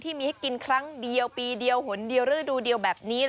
ที่มีให้กินครั้งเดียวปีเดียวหนเดียวฤดูเดียวแบบนี้